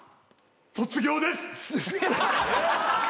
卒業です。